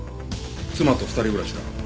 妻と二人暮らしだ。